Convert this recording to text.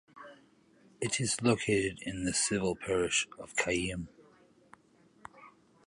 It is located in the civil parish of Caynham.